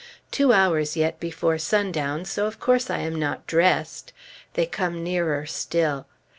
Two hours yet before sundown, so of course I am not dressed. They come nearer still.